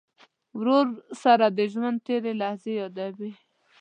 ورور سره د ژوند تېرې لحظې یادوې.